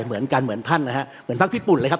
เหมือนกันเหมือนท่านนะฮะเหมือนพักญี่ปุ่นเลยครับ